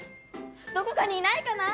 どこかにいないかな？